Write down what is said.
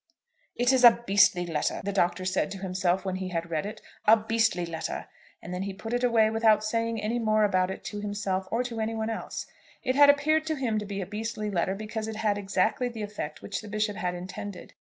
"It is a beastly letter," the Doctor said to himself, when he had read it, "a beastly letter;" and then he put it away without saying any more about it to himself or to any one else. It had appeared to him to be a "beastly letter," because it had exactly the effect which the Bishop had intended.